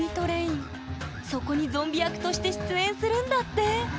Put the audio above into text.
そこにゾンビ役として出演するんだって！